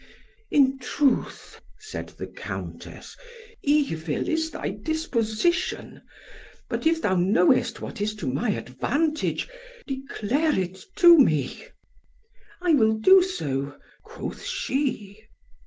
"In truth," said the Countess, "evil is thy disposition; but if thou knowest what is to my advantage, declare it to me." "I will do so," quoth she.